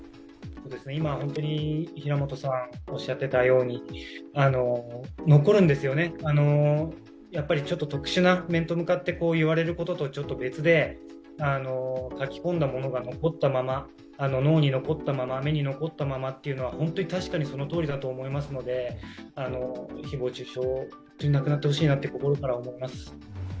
今、平本さんがおっしゃっていたように残るんですよね、やっぱりちょっと特殊な、面と向かって言われることとは別で書き込んだものが残ったまま、脳に残ったまま、目に残ったままというのはホントに確かにそのとおりだと思いますので誹謗中傷はなくなってほしいなと心から思います。